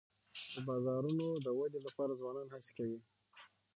د بازارونو د ودي لپاره ځوانان هڅې کوي.